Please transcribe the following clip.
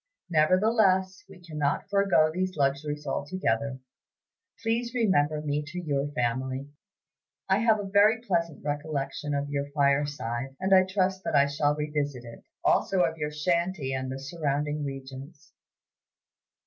"Nevertheless, we cannot forego these luxuries altogether. Please remember me to your family. I have a very pleasant recollection of your fireside, and I trust that I shall revisit it; also of your shanty and the surrounding regions."